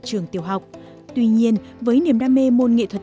trong cái lúc